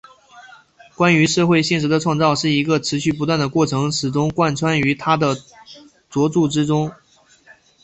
关于社会现实的创造是一个持续不断的过程始终贯穿于他的着作之中。